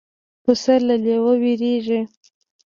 پسه له لېوه وېرېږي.